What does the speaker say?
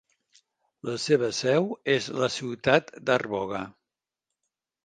La seva seu és a la ciutat d'Arboga.